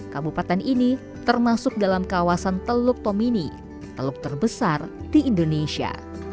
kabupaten ini termasuk dalam kawasan teluk tomini teluk terbesar di indonesia